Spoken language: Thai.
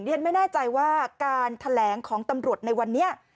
ฉันไม่แน่ใจว่าการแถลงของตำรวจในวันนี้